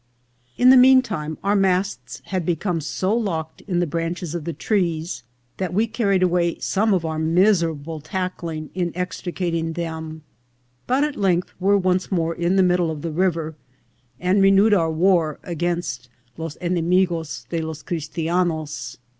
In the mean time our masts had become so locked in the branches of the trees that we carried away some of our miserable tackling in extricating them ; but at length were once more in the middle of the river, and renewed our war upon los enemigos de los Christianos.